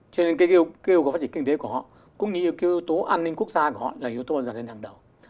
cho nên cái yêu cầu phát triển kinh tế của họ cũng như cái yếu tố an ninh quốc gia của họ là yếu tố dần dần hàng đầu